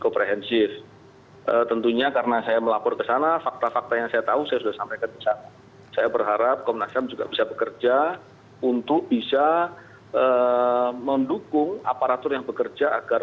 penyidik polri blikjan polisi muhammad iqbal mengatakan